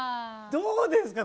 どうですか？